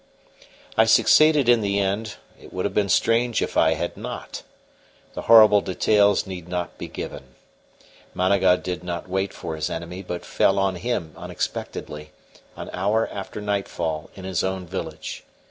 I succeeded in the end; it would have been strange if I had not. The horrible details need not be given. Managa did not wait for his enemy, but fell on him unexpectedly, an hour after nightfall in his own village.